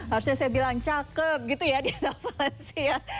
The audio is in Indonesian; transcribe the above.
harusnya saya bilang cakep gitu ya dia valensi ya